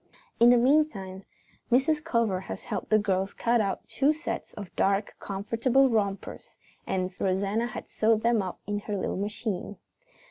In the meantime, Mrs. Culver had helped the girls cut out two sets of dark, comfortable rompers, and Rosanna had sewed them up on her little machine.